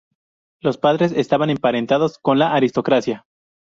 Los padres estaban emparentados con la aristocracia.